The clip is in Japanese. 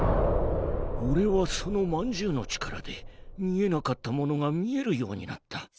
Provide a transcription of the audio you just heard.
おれはそのまんじゅうの力で見えなかったものが見えるようになった。